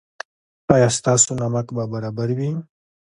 ایا ستاسو نمک به برابر وي؟